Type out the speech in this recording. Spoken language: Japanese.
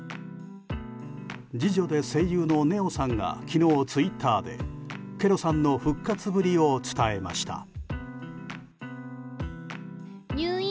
次女で声優の音緒さんが昨日ツイッターでケロさんの復活ぶりを伝えました。